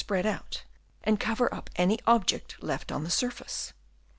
spread out and cover up any object left on the surface.